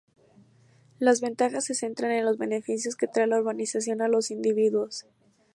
Las ventajas se centran en los beneficios que trae la urbanización a los individuos.